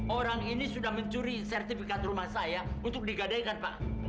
orang ini sudah mencuri sertifikat rumah saya untuk digadaikan pak